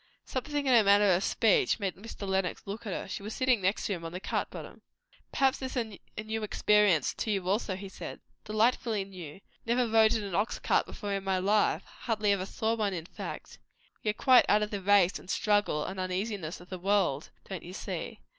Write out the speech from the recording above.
Something in her manner of speech made Mr. Lenox look at her. She was sitting next him on the cart bottom. "Perhaps this is a new experience also to you?" he said. "Delightfully new. Never rode in an ox cart before in my life; hardly ever saw one, in fact. We are quite out of the race and struggle and uneasiness of the world, don't you see?